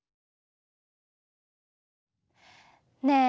ねえ！